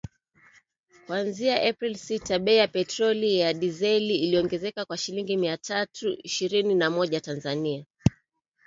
kuanzia Aprili sita bei ya petroli na dizeli iliongezeka kwa shilingi mia tatu ishirini na moja za Tanzania